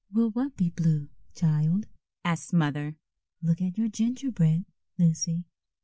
"Will what be blue, child?" asked Mother. "Look at your gingerbread, Lucy."